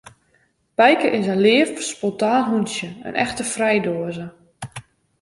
Bijke is in leaf, spontaan hûntsje, in echte frijdoaze.